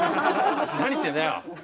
何言ってんだよ！